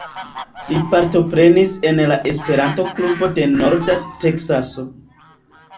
Li partoprenis en la Esperanto Klubo de Norda Teksaso.